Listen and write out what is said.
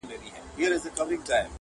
o منصور دا ځلي د دې کلي ملا کړو,